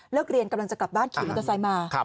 เลิกเรียนกำลังจะกลับบ้านขี่มอสไซม่า